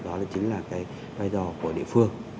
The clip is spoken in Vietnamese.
đó là chính là cái vai trò của địa phương